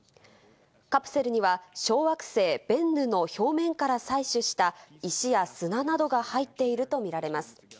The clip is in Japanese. カプセルには小惑星ベンヌの表面から採取した石や砂などが入っていると見られます。